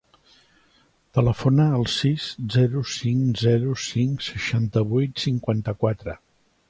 Telefona al sis, zero, cinc, zero, cinc, seixanta-vuit, cinquanta-quatre.